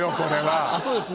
あっそうですね。